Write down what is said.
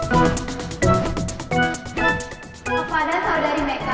bapak dan saudari meka